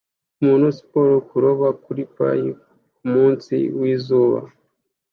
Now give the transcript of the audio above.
Umuntu siporo kuroba kuri pir kumunsi wizuba